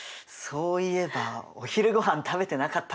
そういえばお昼ごはん食べてなかったんだった。